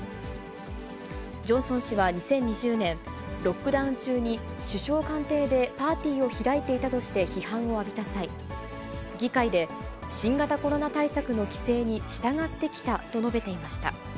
ジョンソン氏は２０２０年、ロックダウン中に首相官邸でパーティーを開いていたとして批判を浴びた際、議会で、新型コロナ対策の規制に従ってきたと述べていました。